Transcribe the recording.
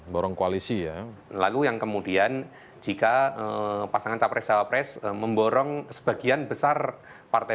borong koalisi ya lalu yang kemudian jika pasangan capres capres memborong sebagian besar partai